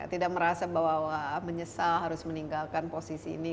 tidak merasa bahwa menyesal harus meninggalkan posisi ini